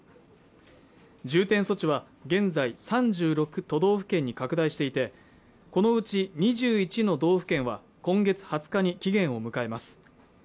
重点装置は現在３６都道府県に拡大していてこのうち２１の道府県は今月２０日に期限を迎えます